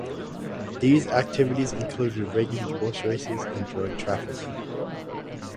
These activities included rigging horse races and drug trafficking.